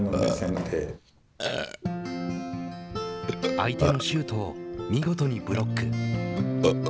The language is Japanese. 相手のシュートを見事にブロック。